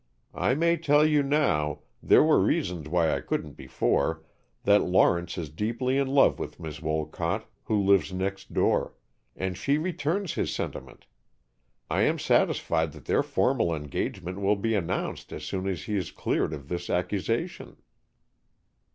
"I may tell you now there were reasons why I couldn't before that Lawrence is deeply in love with Miss Wolcott, who lives next door, and she returns his sentiment. I am satisfied that their formal engagement will be announced as soon as he is cleared of this accusation."